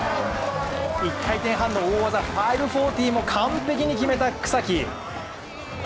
１回転半の大技５４０も完璧に決めた草木。